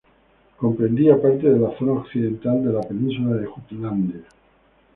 Comprendía parte de la zona occidental de la península de Jutlandia.